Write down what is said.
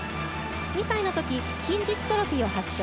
２歳のとき筋ジストロフィーを発症。